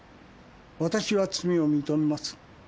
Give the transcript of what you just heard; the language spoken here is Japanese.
わたしは罪を認めます。